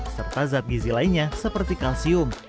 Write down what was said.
serta zat gizi lainnya seperti kalsium